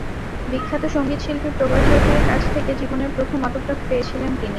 বিখ্যাত সংগীতশিল্পী প্রবাল চৌধুরীর কাছ থেকে জীবনের প্রথম অটোগ্রাফ পেয়েছিলেন তিনি।